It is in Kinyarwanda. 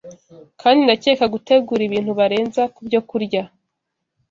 kandi ndeka gutegura ibintu barenza ku byokurya